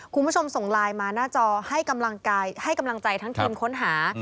คุณผู้ชมส่งไลน์มาหน้าจอให้กำลังให้กำลังใจทั้งทีมค้นหา